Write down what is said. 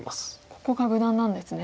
ここが無難なんですね。